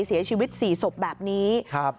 เสียชีวิต๔ศพแบบนี้ครับ